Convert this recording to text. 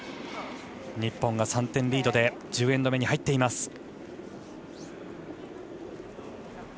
日本が３点リードで１０エンド目に入っています。